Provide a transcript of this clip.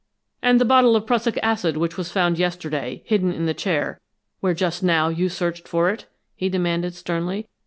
"And the bottle of prussic acid which was found yesterday hidden in the chair where just now you searched for it?" he demanded, sternly.